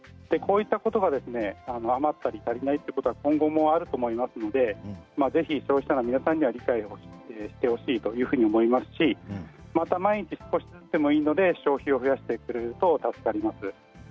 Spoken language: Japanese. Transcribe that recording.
こういったことが余ったり足りないということが今後もあると思いますのでぜひ消費者の皆さんには理解をしてほしいと思いますし毎日少しずつでもいいので消費を増やしてくれると助かります。